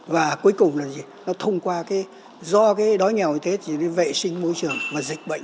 và cuối cùng là gì nó thông qua cái do cái đói nghèo như thế thì vệ sinh môi trường mà dịch bệnh